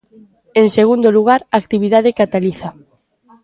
En segundo lugar, a actividade cataliza.